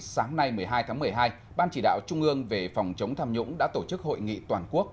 sáng nay một mươi hai tháng một mươi hai ban chỉ đạo trung ương về phòng chống tham nhũng đã tổ chức hội nghị toàn quốc